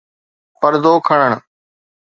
پردو کڻڻ